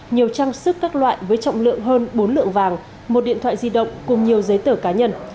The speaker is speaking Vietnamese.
nhiều trang sức các loại với trọng lượng hơn bốn lượng vàng một điện thoại di động cùng nhiều giấy tờ cá nhân